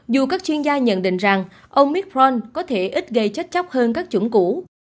dù các chuyên gia nhận định rằng omicron có thể ít gây chất chóc hơn các chủng cũ